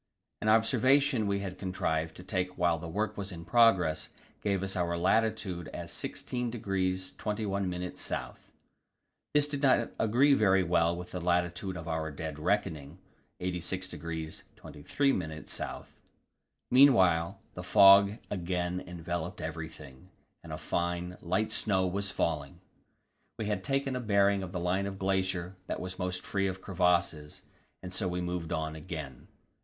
An observation we had contrived to take while the work was in progress gave us our latitude as 86° 21' S. This did not agree very well with the latitude of our dead reckoning 86° 23' S. Meanwhile the fog had again enveloped everything, and a fine, light snow was falling. We had taken a bearing of the line of glacier that was most free of crevasses, and so we moved on again.